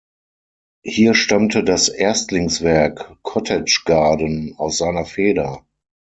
Hier stammte das Erstlingswerk, "Cottage Garden", aus seiner Feder.